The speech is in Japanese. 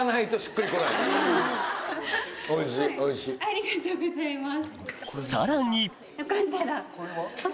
・ありがとうございます